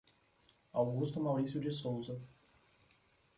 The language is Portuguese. Augusto Mauricio de Souza